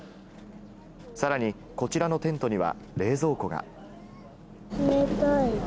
さらにこちらのテントには冷蔵庫が。